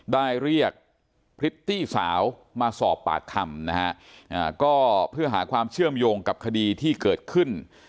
ได้เรียกพริตตี้สาวมาสอบปากคำนะฮะก็เพื่อหาความเชื่อมโยงกับคดีที่เกิดขึ้น